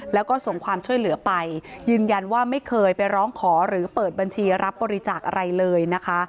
แล้วก็ส่งความช่วยเหลือไปยืนยันว่าไม่เคยไปร้องขอหรือเปิดบัญชีรับบริจาคอะไรเลยนะคะ